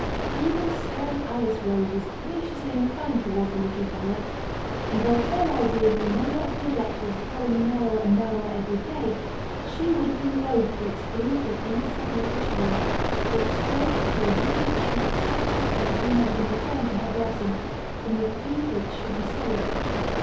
Even stern Alice Rose was graciously inclined towards the little Bella; and though her idea of the number of the elect was growing narrower and narrower every day, she would have been loth to exclude the innocent little child, that stroked her wrinkled cheeks so softly every night in return for her blessing, from the few that should be saved.